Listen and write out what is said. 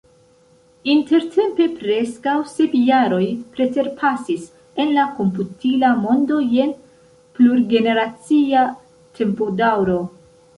Intertempe preskaŭ sep jaroj preterpasis – en la komputila mondo jen plurgeneracia tempodaŭro.